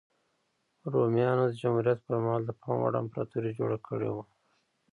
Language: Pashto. رومیانو د جمهوریت پرمهال د پام وړ امپراتوري جوړه کړې وه